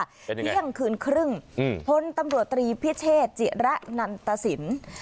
เที่ยงคืนครึ่งอืมพลตำรวจตรีพิเชษจิระนันตสิน